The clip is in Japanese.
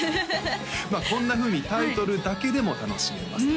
こんなふうにタイトルだけでも楽しめます